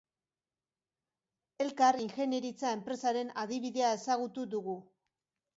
Elkar ingenieritza enpresaren adibidea ezagutu dugu.